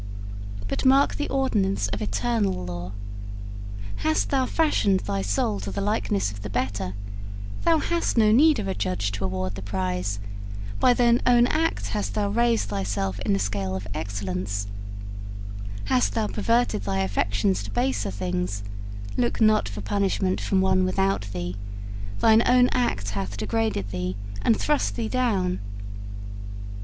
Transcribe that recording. But mark the ordinance of eternal law. Hast thou fashioned thy soul to the likeness of the better, thou hast no need of a judge to award the prize by thine own act hast thou raised thyself in the scale of excellence; hast thou perverted thy affections to baser things, look not for punishment from one without thee thine own act hath degraded thee, and thrust thee down.